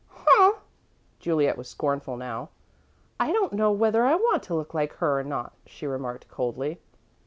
"Huh!" Juliet was scornful now. "I don't know whether I want to look like her or not," she remarked, coldly.